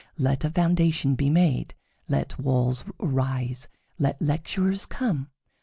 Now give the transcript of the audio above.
Let a foundation be made; let walls arise; let lecturers come.